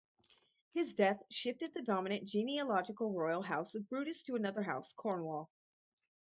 His death shifted the dominant genealogical royal house of Brutus to another house, Cornwall.